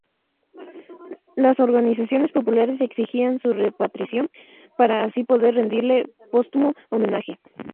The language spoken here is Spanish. Las organizaciones populares exigían su repatriación para así poder rendirle póstumo homenaje.